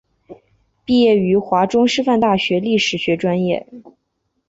毕业于华中师范大学历史学专业。